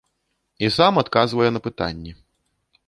І сам адказвае на пытанні.